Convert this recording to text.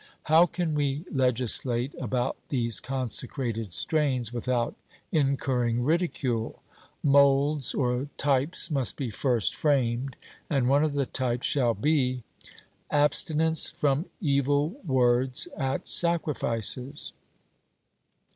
How can we legislate about these consecrated strains without incurring ridicule? Moulds or types must be first framed, and one of the types shall be Abstinence from evil words at sacrifices.